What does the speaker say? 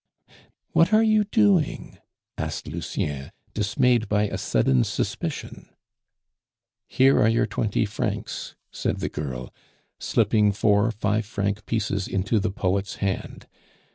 "What are you doing?" asked Lucien, dismayed by a sudden suspicion. "Here are your twenty francs," said the girl, slipping four five franc pieces into the poet's hand.